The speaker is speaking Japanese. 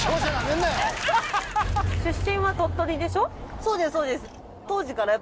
そうですそうです。